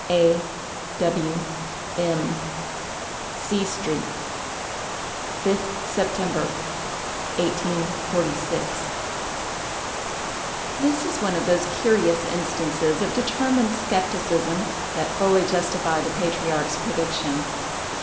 "A—— W—— M——. "C—— street, 5th September, 1846." This is one of those curious instances of determined skepticism that fully justify the patriarch's prediction.